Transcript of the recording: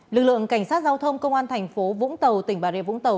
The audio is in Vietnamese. lực lượng cảnh sát giao thông công an tp vũng tàu tỉnh bà rịa vũng tàu